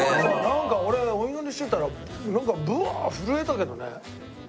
なんか俺お祈りしてたらなんかブワーッ震えたけどね確実に。